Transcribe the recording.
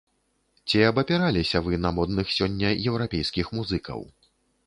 Ці абапіраліся вы на модных сёння еўрапейскіх музыкаў?